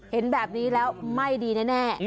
เห็นแบบนี้แล้วไม่ดีแน่